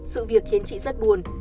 sự việc khiến chị rất buồn